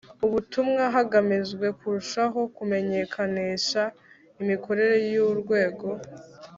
ubutumwa hagamijwe kurushaho kumenyekanisha imikorere y Urwego